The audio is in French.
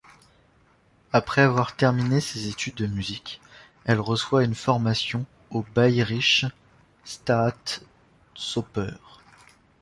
Après avoir terminé ses études de musique, elle reçoit une formation au Bayerische Staatsoper.